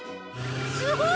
すごい！